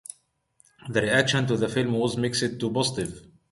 The reaction to the film was mixed to positive.